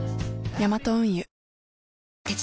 ヤマト運輸菊池）